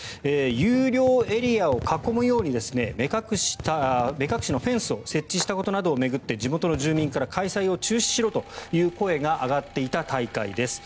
有料エリアを囲むように目隠しのフェンスを設置したことなどを巡って地元の住民から開催を中止しろという声が上がっていた大会です。